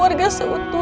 dari mana itu